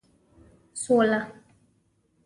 سوله